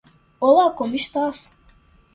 Olá como estás?